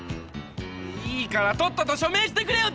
いいからとっとと署名してくれよ。